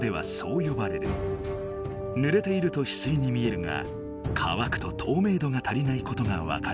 ぬれているとヒスイに見えるがかわくととうめいどが足りないことがわかる。